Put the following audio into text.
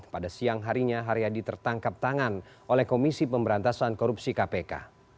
pada siang harinya haryadi tertangkap tangan oleh komisi pemberantasan korupsi kpk